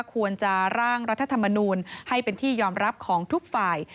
ควรจะร่างรัฐธรรมนูลให้เป็นที่ยอมรับของทุกฝ่าย